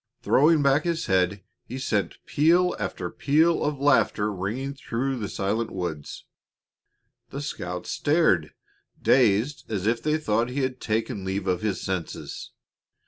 Throwing back his head, he sent peal after peal of laughter ringing through the silent woods. The scouts stared, dazed, as if they thought he had taken leave of his senses.